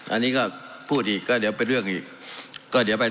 อันนี้ก็พูดอีกเดี๋ยวเป็นเรื่องอีก